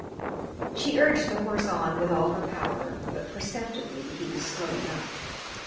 She urged the horse on with all her power, but perceptibly he was slowing up.